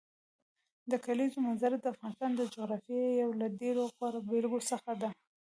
د کلیزو منظره د افغانستان د جغرافیې یو له ډېرو غوره بېلګو څخه ده.